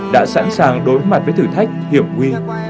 đã đến ăn cần thăm hỏi